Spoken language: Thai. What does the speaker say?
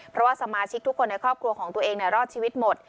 เพราะว่าสมาชิกทุกคนในครอบครัวของตัวเองรอดชีวิตหมด